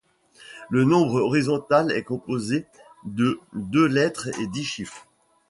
Le numéro horizontal est composé de deux lettres et dix chiffres.